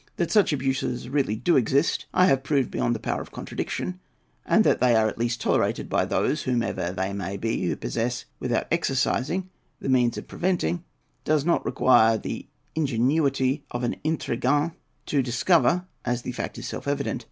That such abuses do really exist I have proved beyond the power of contradiction; and that they are at least tolerated by those—whoever they may be—who possess without exercising the means of preventing, does not require the ingenuity of an "intrigant" to discover, as the fact is self evident.